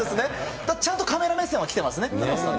ちゃんとカメラ目線は来てますね。